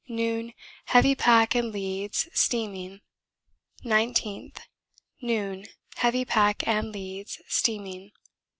Noon, heavy pack and leads, steaming 19th. Noon, heavy pack and leads, steaming.